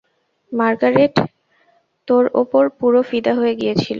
Margaret তোর ওপর পুরো ফিদা হয়ে গিয়েছিল।